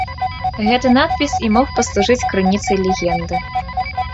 Гэты надпіс і мог паслужыць крыніцай легенды.